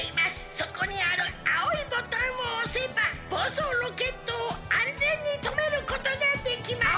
そこにあるあおいボタンをおせばぼうそうロケットをあんぜんにとめることができます！」。